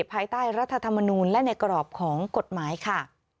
ภายใต้รัฐธรรมนูลและในกรอบของกฎหมายค่ะ